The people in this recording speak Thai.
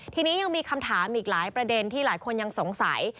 ทีนี้ยังมีคำถามอีกหลายประเด็นที่หลายคนยังสงสัย